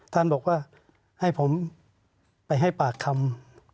ท่านบอกว่าให้ผมไปให้ปากคำ